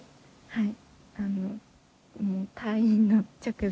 はい。